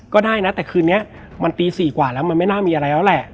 ก็ได้นะแต่คืนนี้มันตี๔กว่าแล้วมันไม่น่ามีอะไรแล้วแหละ